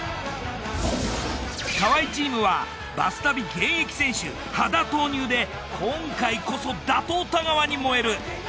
河合チームはバス旅現役選手羽田投入で今回こそ打倒太川に燃える！